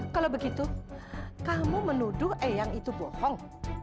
kalau begitu kamu menuduh eyang itu bohong